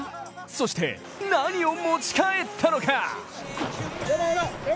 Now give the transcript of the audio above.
そして、何を持ち帰ったのか。